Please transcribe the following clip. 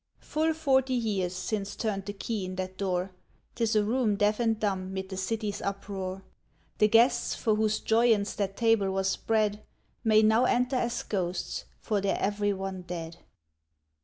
Full forty years since turned the key in that door. 'T is a room deaf and dumb mid the city's uproar. The guests, for whose joyance that table was spread, May now enter as ghosts, for they're every one dead.